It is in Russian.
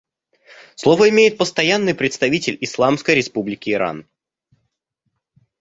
Слово имеет Постоянный представитель Исламской Республики Иран.